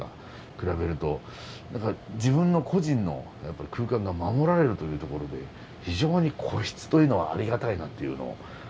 比べると何か自分の個人の空間が守られるというところで非常に個室というのはありがたいなというのを。